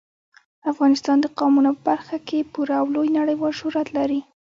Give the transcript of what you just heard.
افغانستان د قومونه په برخه کې پوره او لوی نړیوال شهرت لري.